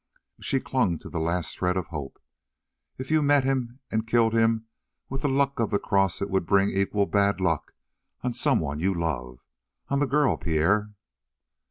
She clung to a last thread of hope: "If you met him and killed him with the luck of the cross it would bring equal bad luck on someone you love on the girl, Pierre!"